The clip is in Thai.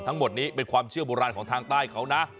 ทั้งหมดนี้เป็นความเชื่อโบราณของทางใต้เขานะ